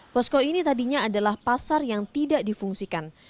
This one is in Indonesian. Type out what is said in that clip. posko ini tadinya adalah pasar yang tidak difungsikan